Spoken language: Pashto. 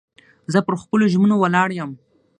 زه پر خپلو ژمنو ولاړ یم.